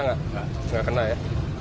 nggak kena ya